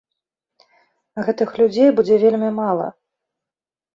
Гэтых людзей будзе вельмі мала.